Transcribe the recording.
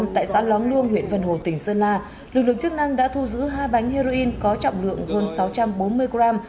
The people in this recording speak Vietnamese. tại xã lóng luông huyện vân hồ tỉnh sơn la lực lượng chức năng đã thu giữ hai bánh heroin có trọng lượng hơn sáu trăm bốn mươi g